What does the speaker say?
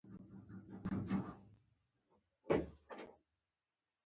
د کار اسباب ګاڼې سکې د ښکار وسایل پکې دي.